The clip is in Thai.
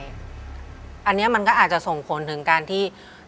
ที่ผ่านมาที่มันถูกบอกว่าเป็นกีฬาพื้นบ้านเนี่ย